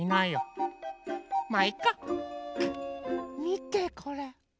みてこれ。